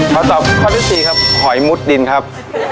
ส่วนผู้เลือกที่๔หอยมุดดินครับ